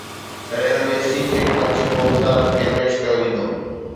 railway CPEC منصوبو وزارت کي پيش ڪيو ويندو